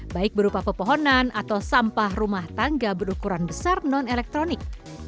baik berupa pepohonan atau sampah rumah tangga berukuran besar non elektronik